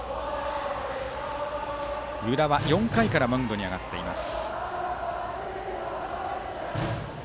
湯田は４回からマウンドに上がっています。